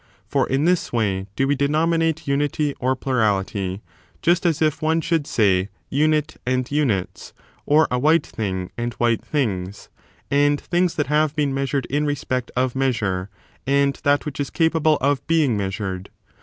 For in this way do we denominate unity, or plurality, just as if one should say imit and unit^ or a white thing and white things, and things that have been meastired in respect of measure, and that which is capable of being measured.